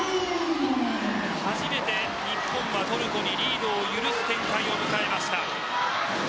初めて日本がトルコにリードを許す展開を迎えました。